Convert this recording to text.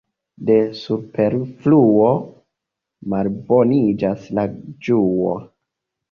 De superfluo malboniĝas la ĝuo.